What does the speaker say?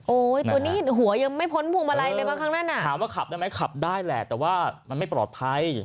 ตัวนี้หัวยังไม่พ้นพวงมาลัยเลยมั้งครั้งนั้นอ่ะถามว่าขับได้ไหมขับได้แหละแต่ว่ามันไม่ปลอดภัย